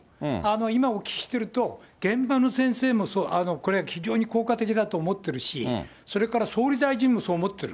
今お聞きしてると、現場の先生もこれは非常に効果的だと思ってるし、それから総理大臣もそう思ってる。